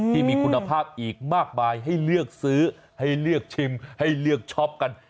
ที่มีคุณภาพอีกมากมายให้เลือกซื้อให้เลือกชิมให้เลือกช็อปกัน